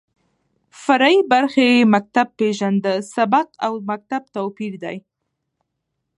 فرعي برخې يې مکتب پېژنده، سبک او مکتب تواپېر دى.